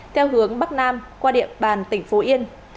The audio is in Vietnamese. theo hướng bắc nam qua địa bàn tỉnh phú yên